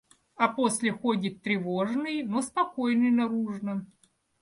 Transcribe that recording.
А после ходит тревожный, но спокойный наружно.